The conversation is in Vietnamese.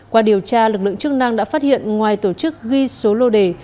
qua điều tra lực lượng chức năng đã phát hiện ngoài tổ chức ghi số lô đề